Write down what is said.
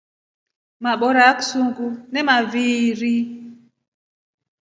Mabora aksunguu nemaviiri.